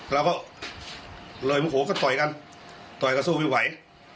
แล้วก็เลยโหก็ต่อยกันต่อยกับสู้ไม่ไหว